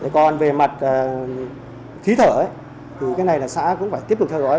còn về mặt khí thở thì cái này là xã cũng phải tiếp tục theo dõi